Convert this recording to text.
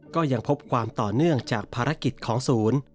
ก็ยังพบความต่อเนื่องจากภารกิจของศูนย์